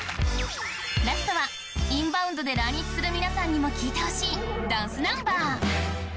ラストはインバウンドで来日する皆さんにも聴いてほしいダンスナンバーどうぞ。